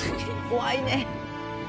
怖いね。